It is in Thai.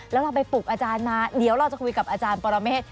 แล้วเราไปปลุกอาจารย์มาเดี๋ยวเราจะคุยกับอาจารย์ปรเมฆ